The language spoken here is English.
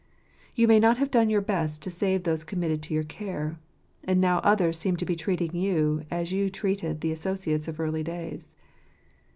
You may not have done your best to save those committed to your care. And now others seem to be treating you as you treated the associates of earlier days.